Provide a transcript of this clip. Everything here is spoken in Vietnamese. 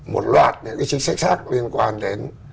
một loạt trí sách sắc liên quan đến